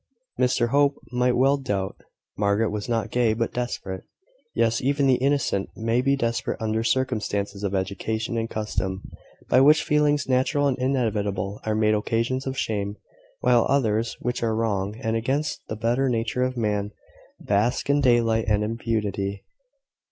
Mr Hope might well doubt. Margaret was not gay but desperate. Yes, even the innocent may be desperate under circumstances of education and custom, by which feelings natural and inevitable are made occasions of shame; while others, which are wrong and against the better nature of man, bask in daylight and impunity.